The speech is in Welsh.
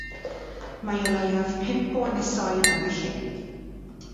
Mae o leiaf pump o ynysoedd yn y llyn.